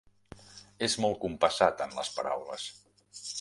És molt compassat en les paraules.